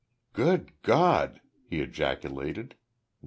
"Good God!" he ejaculated.